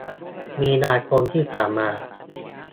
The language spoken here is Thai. มีนาคมที่ผ่านมา